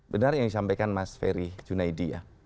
benar yang disampaikan mas ferry junaidi ya